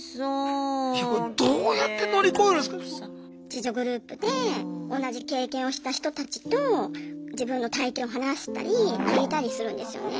自助グループで同じ経験をした人たちと自分の体験を話したり聞いたりするんですよね。